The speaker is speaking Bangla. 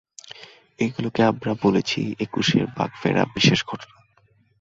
এগুলোকে আমরা বলেছি একুশের বাঁক ফেরা বিশেষ ঘটনা।